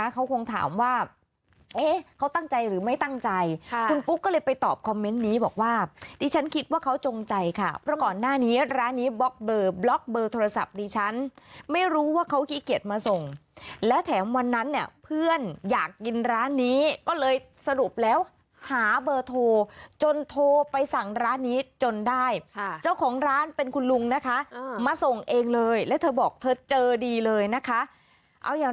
ค่ะคุณปุ๊กก็เลยไปตอบคอมเมนต์นี้บอกว่าดิฉันคิดว่าเขาจงใจค่ะเพราะก่อนหน้านี้ร้านนี้บล็อกเบอร์บล็อกเบอร์โทรศัพท์ดิฉันไม่รู้ว่าเขาขี้เกียจมาส่งและแถมวันนั้นเนี้ยเพื่อนอยากกินร้านนี้ก็เลยสรุปแล้วหาเบอร์โทรจนโทรไปสั่งร้านนี้จนได้ค่ะเจ้าของร้านเป็นคุณลุงนะคะอืมมาส่งเองเลยแล้วเ